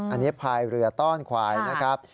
อันนี้พายเรือต้อนควายนะครับ